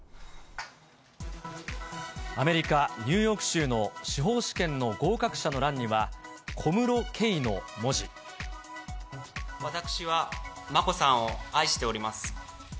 アメリカ・ニューヨーク州の司法試験の合格者の欄には、私は眞子さんを愛しております。